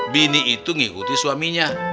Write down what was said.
bini itu ngikuti suaminya